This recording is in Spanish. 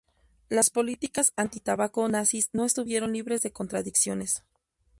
Las políticas antitabaco nazis no estuvieron libres de contradicciones.